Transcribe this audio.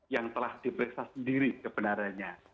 yang telah diperiksa sendiri kebenarannya